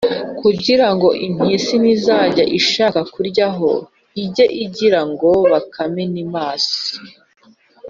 kugira ngo impyisi nizajya ishaka kuryaho, ijye igira ngo bakame ni maso.